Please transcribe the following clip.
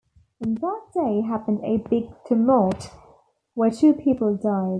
On that day happened a big tumult, where two people died.